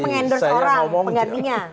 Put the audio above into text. termasuk mengendorse orang penggantinya